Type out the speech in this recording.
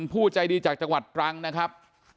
ผู้ใจดีจากจังหวัดตรังนะครับ